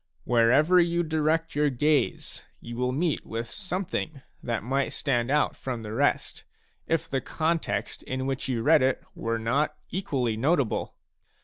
Wherever you direct your gaze, you will meet with something that might stand out from the rest, if the context in which you read it were not equally notable.